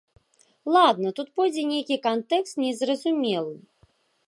Ладна, тут пойдзе нейкі кантэкст не зразумелы.